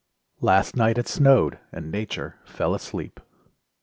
Last night it snowed; and Nature fell asleep.